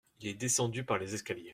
Il est descendu par les escaliers.